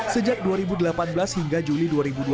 sejak dua ribu delapan belas hingga juli dua ribu dua puluh